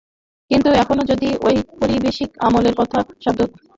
কিন্তু এখনো যদি ঔপনিবেশিক আমলের মতো শব্দ আসতে থাকে, তাহলে স্বাধীনতা অর্থহীন।